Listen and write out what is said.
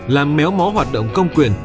làm méo mó hoạt động công quyền